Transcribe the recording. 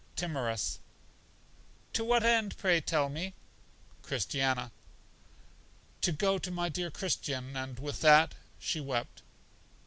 Timorous: To what end, pray tell me? Christiana: To go to my dear Christian. And with that she wept.